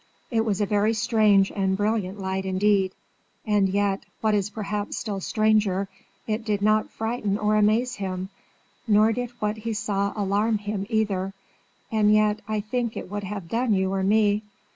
It was a very strange and brilliant light indeed; and yet, what is perhaps still stranger, it did not frighten or amaze him, nor did what he saw alarm him either, and yet I think it would have done you or me.